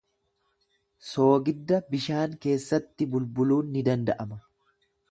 Soogidda bishaan keessatti bulbuluun ni danda’ama.